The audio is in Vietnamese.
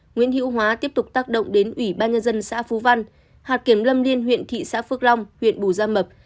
nguyễn hữu hóa tiếp tục tác động đến ủy ban nhân dân xã phú văn hạt kiểm lâm liên huyện thị xã phước long huyện bù gia mập